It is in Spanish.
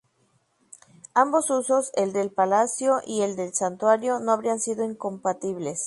Ambos usos, el de palacio y el de santuario, no habrían sido incompatibles.